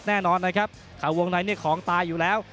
แน่นอนนะครับข่าววงในเนี่ยของตายอยู่แล้ว